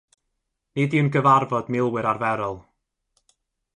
Nid yw'n gyfarfod milwyr arferol.